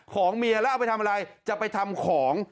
ของเมียแล้วเอาไปทำอะไรจะไปทำของ